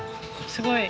すごい。